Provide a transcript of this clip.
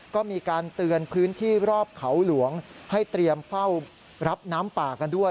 ก็มีการเตือนพื้นที่รอบเขาหลวงให้เตรียมเฝ้ารับน้ำป่ากันด้วย